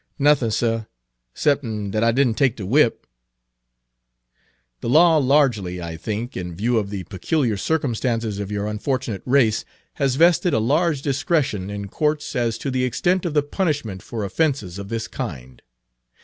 "Nothin', suh, cep'n dat I did n' take de whip." "The law, largely, I think, in view of the peculiar circumstances of your unfortunate race, has vested a large discretion in courts as to the extent of the punishment for offenses of this kind.